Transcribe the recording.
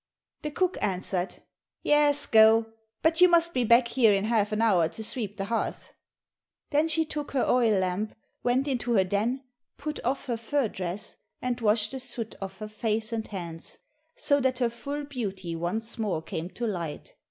The cook answered, "Yes, go, but you must be back here in half an hour to sweep the hearth." Then she took her oil lamp, went into her den, put off her fur dress, and washed the soot off her face and hands, so that her full beauty once more came to light.